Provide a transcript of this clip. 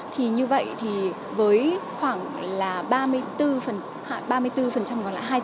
thì như vậy thì với khoảng là ba mươi bốn hai mươi bốn còn lại